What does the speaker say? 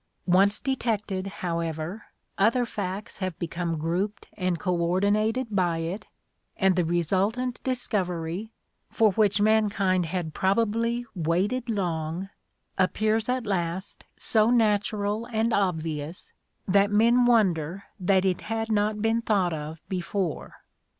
Once detected, however, other facts have become grouped and co ordinated by it, and the resultant discovery, for which mankind had probably waited long, appears at last so natural and obvious, that men wonder that it had not been thought of before.